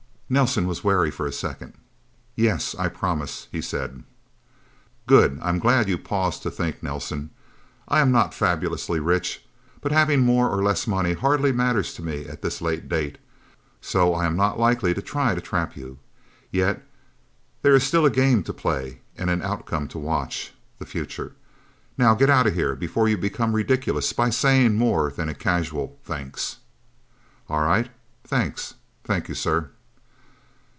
Nelsen was wary for a second. "Yes I promise," he said. "Good. I am glad you paused to think, Nelsen. I am not fabulously rich. But having more or less money hardly matters to me at this late date, so I am not likely to try to trap you. Yet there is still a game to play, and an outcome to watch the future. Now get out of here before you become ridiculous by saying more than a casual thanks." "All right thanks. Thank you, sir..."